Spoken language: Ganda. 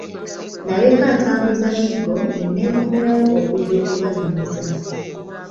Naleka atambuza miggo ne neekomerawo okujja okubanyumiza.